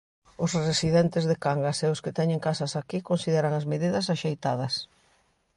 Os residentes de Cangas e os que teñen casas aquí consideran as medidas axeitadas.